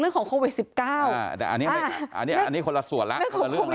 เรื่องของสิบเก้าอ่าอันนี้อันนี้อันนี้คนละส่วนละเรื่อง